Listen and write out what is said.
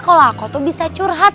kalau aku tuh bisa curhat